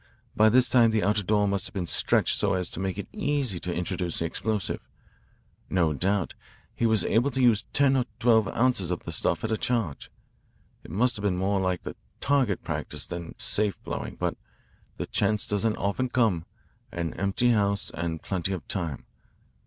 By this time the outer door must have been stretched so as to make it easy to introduce the explosive. No doubt he was able to use ten or twelve ounces of the stuff at a charge. It must have been more like target practice than safe blowing. But the chance doesn't often come an empty house and plenty of time.